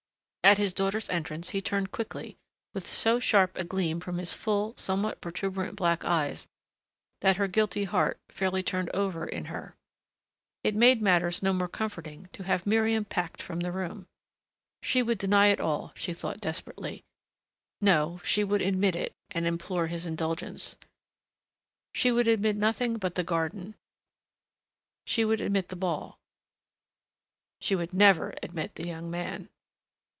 At his daughter's entrance he turned quickly, with so sharp a gleam from his full, somewhat protuberant black eyes that her guilty heart fairly turned over in her. It made matters no more comforting to have Miriam packed from the room. She would deny it all, she thought desperately ... No, she would admit it, and implore his indulgence.... She would admit nothing but the garden.... She would admit the ball.... She would never admit the young man....